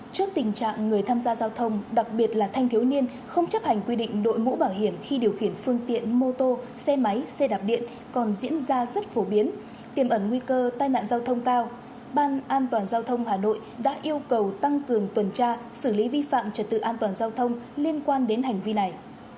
trước tình trạng người tham gia giao thông đặc biệt là thanh thiếu niên không chấp hành quy định đội mũ bảo hiểm khi điều khiển phương tiện mô tô xe máy xe đạp điện còn diễn ra rất phổ biến tiềm ẩn nguy cơ tai nạn giao thông cao ban an toàn giao thông hà nội đã yêu cầu tăng cường tuần tra xử lý vi phạm trật tự an toàn giao thông liên quan đến hành vi này